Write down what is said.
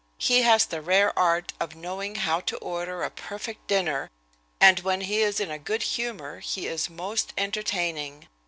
He has the rare art of knowing how to order a perfect dinner, and when he is in a good humor he is most entertaining.